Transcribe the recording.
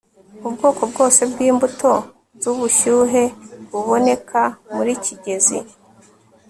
ubwoko bwose bwimbuto zubushyuhe buboneka muri kigezi